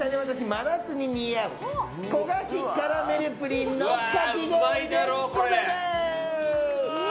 真夏に似合う焦がしカラメルのプリンのかき氷でございます。